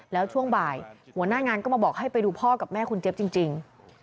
แล้วช่วงบ่ายหัวหน้างานก็มาบอกให้ไปดูพ่อกับแม่คุณเจี๊ยบจริง